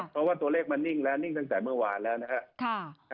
เพราะว่าตัวเลขมันนิ่งแล้วนิ่งตั้งแต่เมื่อวานแล้วนะครับ